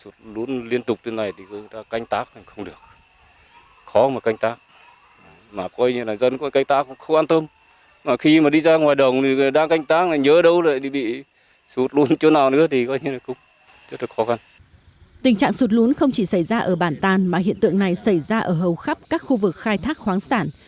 tình trạng sụt lún không chỉ xảy ra ở bản tàn mà hiện tượng này xảy ra ở hầu khắp các khu vực khai thác khoáng sản